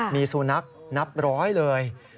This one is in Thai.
มีสุนัขนับร้อยเลย